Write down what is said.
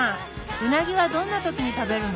うなぎはどんな時に食べるの？